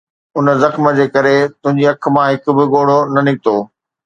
ان زخم جي ڪري تنهنجي اک مان هڪ به ڳوڙهو نه نڪتو